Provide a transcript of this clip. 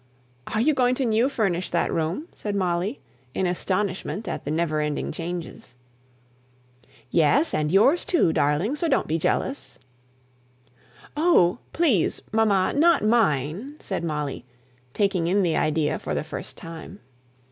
"Are you going to new furnish that room?" said Molly, in astonishment at the never ending changes. "Yes; and yours, too, darling; so don't be jealous." "Oh, please, mamma, not mine," said Molly, taking in the idea for the first time.